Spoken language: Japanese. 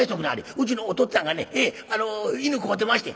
うちのお父っつぁんがねええあの犬飼うてましてん。